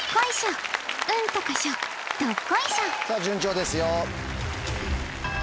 さぁ順調ですよ。